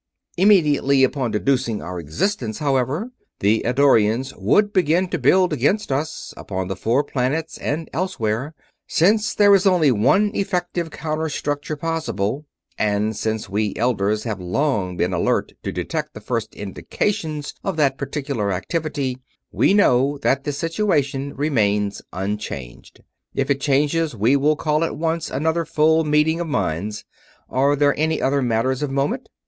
Immediately upon deducing our existence, however, the Eddorians would begin to build against us, upon the four planets and elsewhere. Since there is only one effective counter structure possible, and since we Elders have long been alert to detect the first indications of that particular activity, we know that the situation remains unchanged. If it changes, we will call at once another full meeting of minds. Are there any other matters of moment...?